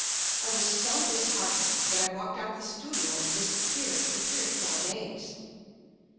I was so disheartened that I walked out of the studio and disappeared for three or four days.